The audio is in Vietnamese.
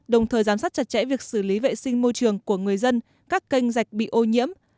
đồng thời giám sát chặt chẽ việc xử lý vệ sinh môi trường của người dân các kênh dạch bị ô nhiễm